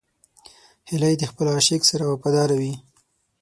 هیلۍ د خپل عاشق سره وفاداره وي